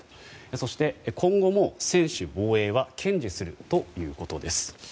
そして、今後も専守防衛は堅持するということです。